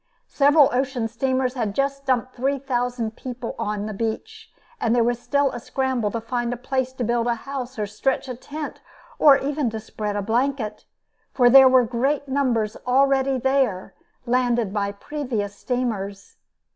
Several ocean steamers had just dumped three thousand people on the beach, and there was still a scramble to find a place to build a house or stretch a tent, or even to spread a blanket, for there were great numbers already there, landed by previous steamers.